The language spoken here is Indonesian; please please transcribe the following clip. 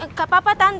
gak apa apa tante